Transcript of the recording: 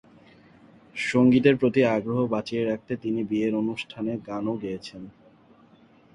সংগীতের প্রতি আগ্রহ বাঁচিয়ে রাখতে তিনি বিয়ের অনুষ্ঠানে গানও গেয়েছেন।